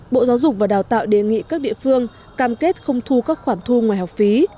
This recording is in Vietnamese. bộ giáo dục và đào tạo đề nghị các địa phương cam kết không thu các khoản thu ngoài học phí